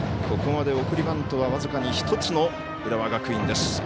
ここまで送りバントは僅かに１つの浦和学院です。